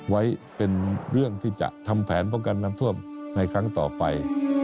ไว้เป็นเรื่องที่จะทำแผนป้องกันน้ำท่วมในครั้งต่อไป